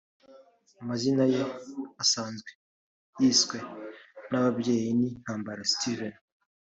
Amazina ye asanzwe yiswe n'ababyeyi ni Ntambara Steven